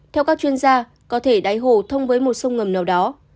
theo các chuyên gia có thể đáy hồ thông với một sông ngầm nào đó